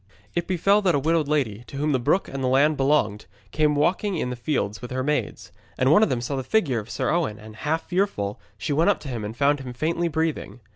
It befell that a widowed lady, to whom the brook and the land belonged, came walking in the fields with her maids. And one of them saw the figure of Sir Owen and, half fearful, she went up to him and found him faintly breathing.